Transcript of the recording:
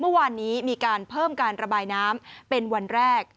เมื่อวานนี้มีการเพิ่มการระบายน้ำเป็นวันแรก